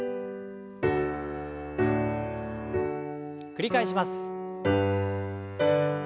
繰り返します。